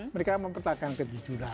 mereka mempertahankan kejujuran